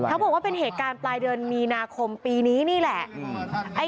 เขาบอกว่าเป็นเหตุการณ์ปลายเดือนมีนาคมปีนี้นี่แหละ